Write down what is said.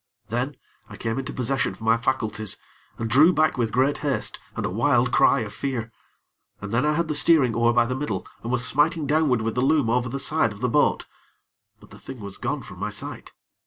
Then, I came into possession of my faculties, and drew back with great haste and a wild cry of fear. And then I had the steering oar by the middle, and was smiting downward with the loom over the side of the boat; but the thing was gone from my sight.